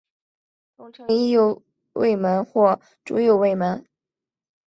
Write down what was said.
通称伊又卫门或猪右卫门。